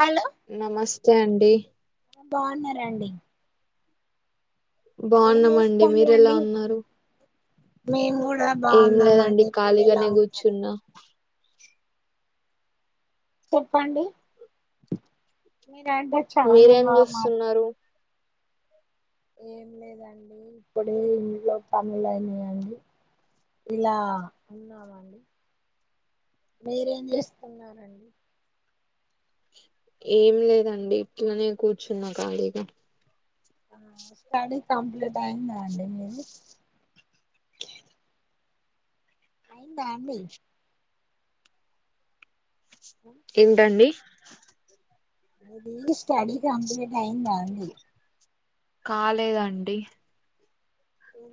Hello నమస్తే అండి బాగున్నారండి ఏం బాగున్నామండి మీరు ఎలా చేస్తానుండి ఉన్నారు మేము కూడా ఏం లేదండి బాగున్నామండి మీరు ఎలా ఖాళీగానే ఉన్నారు కూర్చున్న చెప్పండి మీద అంటే చాలా మీరేం బాగా మారుతు చేస్తున్నారు ఏం లేదండి ఇప్పుడే ఇంట్లో పనులయనాయండి ఇలా ఉన్నామండి మీరేం చేస్తున్నడి ఏం లేదండి ఇట్లనే కూర్చున్నా ఖాళీగా ఆ స్టడీ కంప్లీట్ అయ్యిందా అండి మీది అయింద అండి ఏంటండి అది ఈ స్టడీ కంప్లీట్ అయిందా అండి కాలేదండి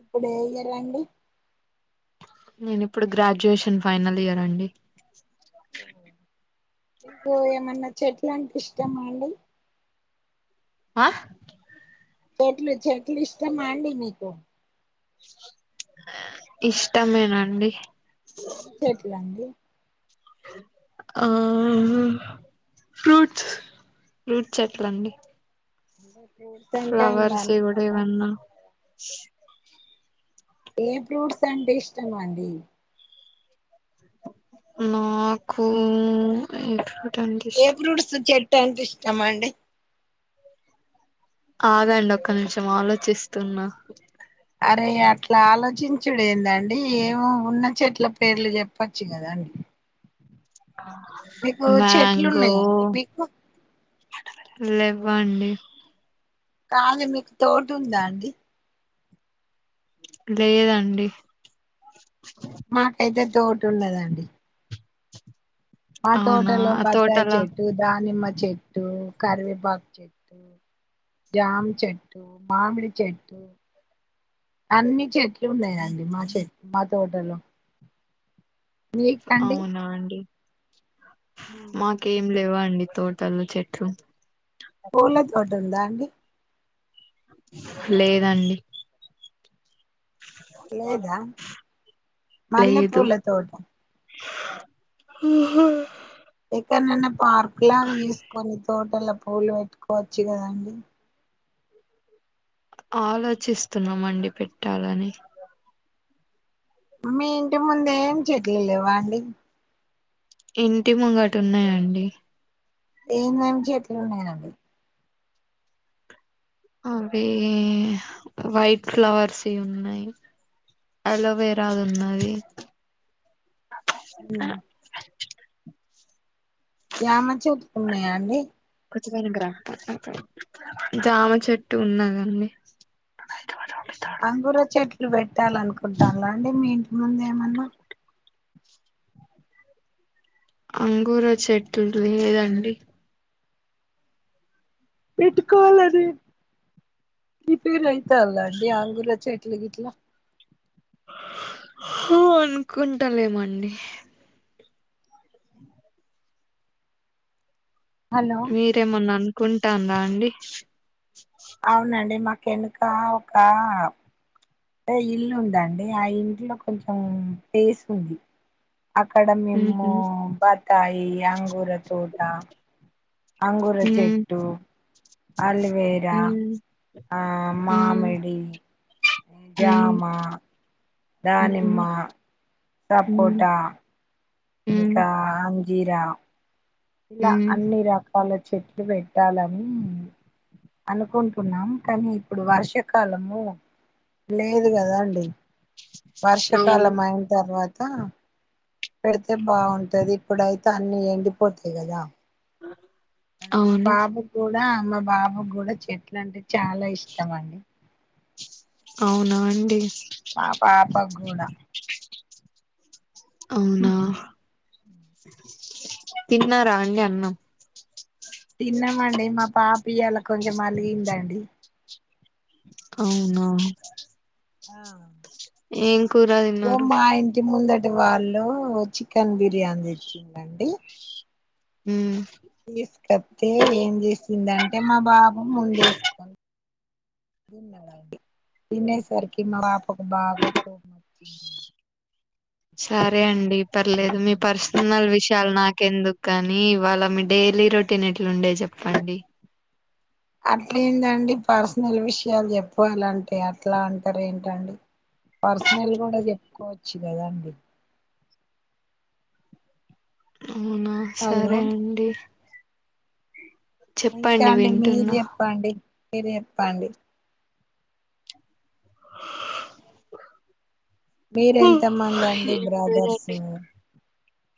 ఇప్పుడు ఏ ఇయర్ అండి నేను ఇప్పుడు గ్రాడ్యుయేషన్ ఫైనల్ ఇయర్ అండి ఏ మన్నా చెట్ల అంటే ఇష్టమా అండి ఆ చెట్లు చెట్ల ఇష్టమా అండి మీకు ఇష్టమేనండి ఏం చెట్లండి ఆ ఫ్రూట్స్ ఫ్రూట్స్ ఎట్లండి అ ఫ్లవర్స్ ఇవి కూడా అన్నా కదా ఏ ఫ్రూట్స్ అంటే ఇష్టం అండి నాకు హమ్ ఏ ఫ్రూట్స్ చెట్ అంటే ఇష్టమా అండి ఆగండి ఒక్క నిషం ఆలోచిస్తున్నా అరే అట్లా ఆలోచించుడు ఏందండి ఏమో ఉన్న చెట్ల పేర్లు చెప్పచ్చు కదాండి చెట్లు మ్యాంగో ఉన్నాయా అండి మీకు లేవ్వండి కానీ మీకు తోటు ఉందా అండి లేదండి మాకైతే తోటు ఉన్నదండి మ అవునా హోటల్లో పత తోటలా చెట్టు దా నిమ్మ చెట్టు కరివేపాకు చెట్టు జామ్ చెట్టు మామిడి చెట్టు అన్ని చెట్లు ఉన్నాయంండి మా చెట్టు మా తోటలో అవునా అండి హ లేవా అండి తోటల్లో చెట్లు పోలదు దాని ది లేదండి లేదా మల్లెపూల తోట ఉ ఏకనన్న పార్క్ లాగా చేసుకొని తోటల పూలు పెట్టుకోవచ్చు కదండి ఆలోచిస్తున్నాం అండి పెట్టాలని మీ ఇంటి ముందు ఏం చెట్లు లేవా అండి ఇంటి ముంగట ఉన్నాయండి ఏమేం చేట్లు ఉన్నాయండి అవి వైట్ ఫ్లవర్స్ ఉన్నాయి అలోవేరా ఉన్నది జమ చెట్లు ఉన్నాయా అండి జామ చెట్టు ఉన్నదండి అంగూర చెట్ లు వే పెట్టాల అనుకుంటాల్ల అండి మీ ఇంటి ముందు ఏమన్నా అంగూర చెట్టు లేదండి పెట్టుకోవాలి ప్రీపేరు అయితలా అండి ఆంగుర చెట్లు గీట్లా అనుకుంటాలేమండి హలో మీరేమన్నా ఆను కుంటా రా అండి అవునండి మా వెనుక ఒక అంటే ఇల్లు ఉంది అండి ఆ ఇంట్లో కొంచెం ప్లేస్ ఉంది అక్కడ మేము హుహు. బ కాయి అంగుర తోట అంగుర హ్మ్. చెట్టు అల్వేరా హ్మ్. హ్మ్. మామిడి హ్మ్. జమా దానిమ్మ హ్మ్. సపోట హ్మ్. హ్మ్. ఇకా అంజీరా ఇలా హ్మ్. అన్నీ రా వాళ్ళ చెట్లు పెట్టాలని అనుకుంటున్నాము కానీ ఇప్పుడు వర్షాకాలము లేదు కదా అండి అవును. వర్షాకాలం అయిన తర్వాత త పెడితే బాగుంటది ఇప్పుడయితే అన్ని ఎండిపోతాయి కదా అ మా బాబు కూడా మా బాబు కూడా చెట్లు అంటే చాలా ఇష్టం అండి అవునా అండి మా పాపకు కూడా అవునా తిన్నారా అండి అన్నం తిన్నామండి మా పాపియాలా కొంచెం అలిగిందండి అవునా ఆ ఏం కూర తిన్నారు? ఓమ్మ ఆ ఇంటి ముందట్ వాళ్ళు చికెన్ బిర్యానీ తెచ్చింద్రండి మ్మ్ తీసుకొత్తే ఏం చేసిందింటే మా బాబు ముందేసుకోడి విన్నడాండి తిన్న సరికి మా పాపకు బాగా కో స సరే అండి పర్లేదు మీ వచ్చిందండి పర్సనల్ విషయాలు నాక్ కెందుకు కాని ఇవాళ మీ డైలీ రొటీన్ ఎట్లుండే చెప్పండి అట్లా ఏందండి పర్సనల్ విషయాలు చెప్పవాలంటే అట్లా అంటారు ఏంటండి పర్సనల్ కూడా చెప్పుకోవచ్చు కదాండి అవునా హలో సరే అండి ఇంకా చెప్పండి అండి మీరు వింటున్నా. చెప్పండి మీరే చెప్పాలి మీరు ఎంత మంది అండి ఏం బ్రదర్సు లేదండి.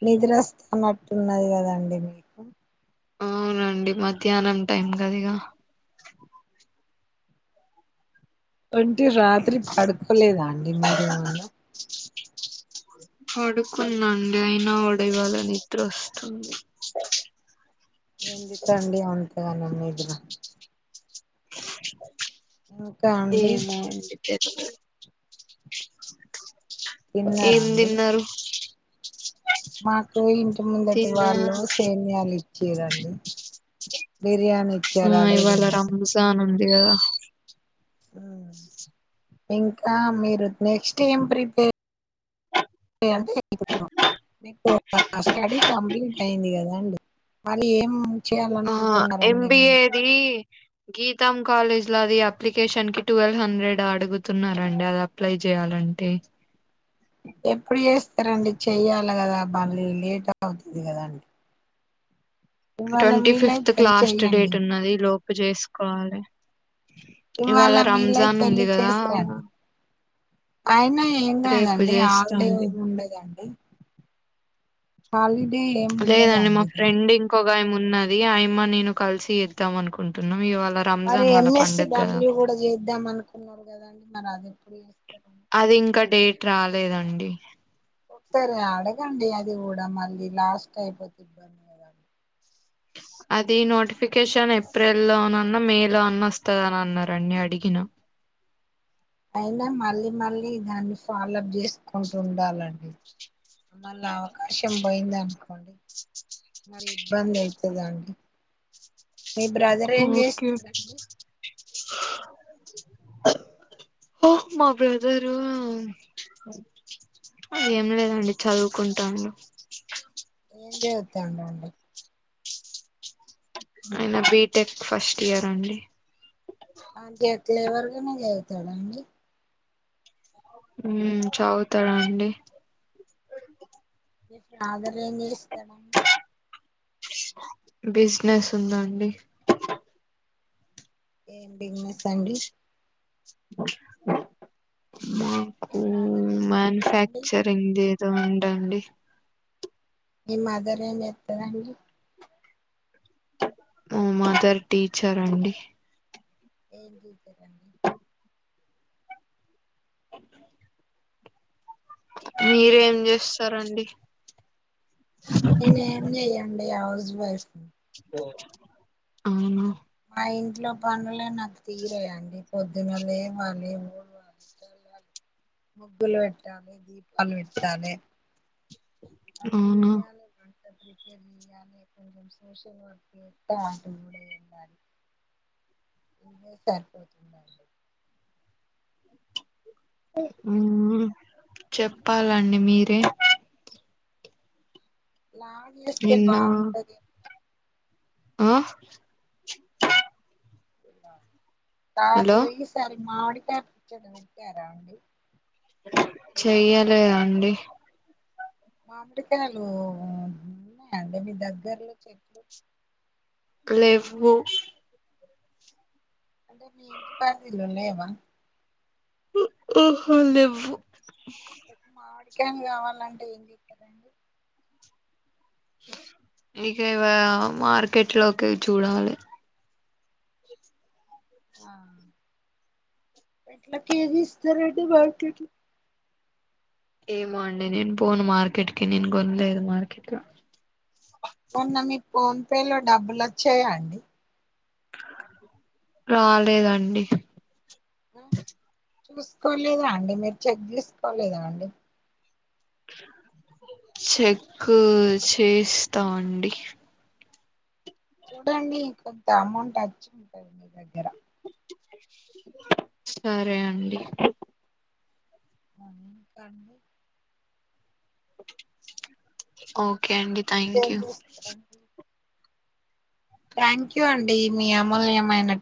నిద్రొస్తన్నటున్నంది కదండి అవునండి మధ్యాహ్నం టైం కదిగా అ టే రాత్రి పడుకోలేదా అండి మీరేమన్నా పడుకున్నాండీ అయినా కూడ ఇవాళ నిద్రొస్తుంది ఎందుకండి అంతగా నమ్మెద్దున ఇంకా అండి ఏమైంది [unintelligible] తిన్నారా ఏం అండి తిన్నారు మాకు ఇంటి ముందటి తిన్నా వాళ్ళు సేమ్యలు ఇచ్ చిరండి ఆ ఇవాళ రంజాన్ అగా ఇంకా మీరు నెక్స్ట్ ఏం ప్రిపేర్ అ మీకు స్టడీ కంప్లీట్ అయింది కదాండి మరి ఏం ఆ చేయాలనుకుంటున్నారండి మీరు ఎంబిఏది గీతాం కాలేజ్ లో అది అప్లికేషన్ కి ట్వెల్వ్ హండ్రెడ్ అడుగుతున్నండి అది అప్లై చేయాలంటే సరండి చెయ్యాలి కదా మళ్ళీ లేట్ అవుతుంది కదా అండి ట్వీ ఫిఫ్త్ క వెళ్ళి లాస్ట్ చెయ్యండి డేట్ ఉన్నది లోపు చేసుకోవాలి ఇవాళ రంజాన్ వీలైతే ఉంది వెళ్ళి కదా చేసిరండి అయినా ఏం రేపు కాదండి హాలిడే చేస్తాండి ఏమి హీ లేదండి మా ఫ్రెండ్ ఇంకొక గా ఉన్నది అయమా నేను కలిసి ఇద్దాం అనుకుంటున్నాం ఇవాళ మరి రంజాన్ వాళ్ళ ఎంఎస్స పండుగ గదా! డబ్ల్యూ కూడా చేద్దాం అనుకున్నారు కదాండి మరి అది ఎప్పుడు చేస్తారు అది ఇంకా డేట్ రాలేదండి ఒక సరే అడగండి అది కూడా మళ్ళీ లాస్ట్ అయిపోతే ఇబ్బందిదండి అది నోటిఫికేషన్ ఏప్రిల్ లోనన్నా మే లో అన్నా వస్తాదనాన్నారండి అడిగినా అయినా మళ్ళీ మళ్ళీ దాన్ని ఫాలో అప్ చేస్త స్క్ కుంటుండాలండి మళ్ళా రోషం బోయిదనుకో కోండి మరి ఇబ్బంది అయితాదండి మీ బ్రదర్ ఏం ఓకే. చేస్తాడండి ఓ మా బ్రదరు ఏం లేదండి చదువుకుంటాన్నాం ఏం జెస్తావందవండి అన్న బీటెక్ ఫస్ట్ ఇయర్ అండి పంజేతలేడ్ వర్గెమైనా జేతన్నాడా అండి హ్మ్ చదువ్తాదండి మీ ఫ్రాదర్ ఏం చేస్తాడండి బిజినెస్ ఉందాండి ఏం బిజినెస్ అండి ఏ మాకు బ్రదరు ఏం చెస్తదండి [unintelligible] అండి మీ మదర్ ఏం జేతాతండి మా మదర్ టీచర్ అండి ఏం టీచర్ అండి మీరేం చేస్తారండి నేనేం జేయండి హౌ జ్ వైఫ్ అవునా ఆ ఇంట్లో పనులన్న తీరేయా అండి పొద్దుమేల ఏవాలి మూడుాలి చాలి ముగ్గులు పెట్టాలి దీ అవి విట్టా నే అన్నీ అవును వెయ్యాల ప్రిపర్ కొంచ సోషల్ వర్క్ వ్యక్తపో అ చెప్పాలండి మీరే లాగ చేస్తే నిన్న బాగుంటది ఆ ఇ హలో కాదు ఈ సారి మావడికి డం జర వింటారా చెయ్యాలగ అండి మామిడికాయలు ఉన్నాయండి మీ దగ్గర్లో చెట్టు లే వ్య అంటే మీే ఇంటి పదిలో లేవా ఓహో లేవు ఎ మాడి చక్కన్ కావాలంటే ఏం చెప్పారండి మీకెవ మార్కెట్ లోకి చూడాలే ఆ ఎట్లా కేజీ ఇస్తారండి మామిడి కాయలు ఏమో అండి నేను పోను మార్కెట్ కి నేను కొనలేదు మార్కెట్ ల మన్న మీ ఫోన్ పేలో డబ్బులు వచ్చయండి రాలేదండి చూసుకోలేదా అండి మీరు చెక్ తీసుకోలేదా అండి చెక్ చేస్తావండి చూడండి కొంత అమౌంట్ వచ్చి ఉంటాంది మీ దగ్గర సరే అండి అం కన్ను కోక్ ఓకే అండి థ్యాంక్ ఇంకేం యూ చేస్తారండి థ్యాంక్ యూ అండి మీ అమూల్యమైన